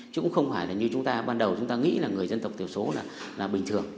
chứ cũng không phải là như chúng ta ban đầu chúng ta nghĩ là người dân tộc thiểu số là bình thường